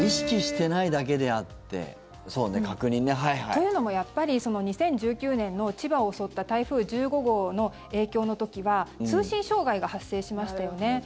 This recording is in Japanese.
というのも、やっぱり２０１９年の千葉を襲った台風１５号の影響の時は通信障害が発生しましたよね。